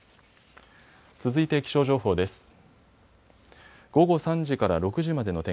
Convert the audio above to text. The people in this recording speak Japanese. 続いて気象情報です。